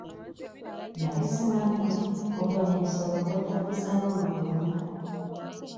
Nali simanyi nti okugema ebisolo kwetaagisa nnyo mu kulunda.